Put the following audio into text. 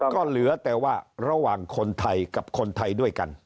ก็เหลือแต่ว่าระหว่างคนไทยกับคนไทยด้วยกัน